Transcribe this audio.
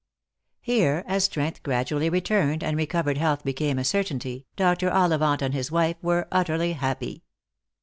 Here, as strength gradually returned, and re covered health became a certainty, Dr. Ollivant and his wife were utterly happy.